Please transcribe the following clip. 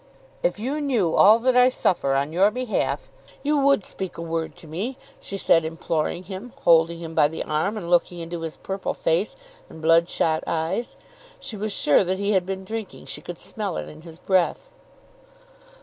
"If you knew all that I suffer on your behalf you would speak a word to me," she said, imploring him, holding him by the arm, and looking into his purple face and bloodshot eyes. She was sure that he had been drinking. She could smell it in his breath.